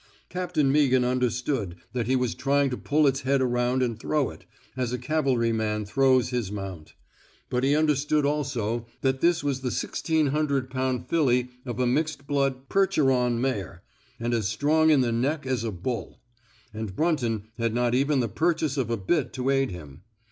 Captain Meaghan understood that he was trying to pull its head around and throw it, as a cavalryman throws his mount. But he understood also that this was the 1,600 pound filly of a mixed blood Percheron mare, and as strong in the neck as a bull ; and Brunton had not even the purchase of a bit to aid him.